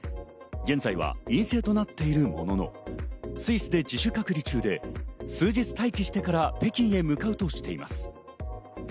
現在は陰性となっているものの、スイスで自主隔離中で数日待機してから北京へ向かうとしています。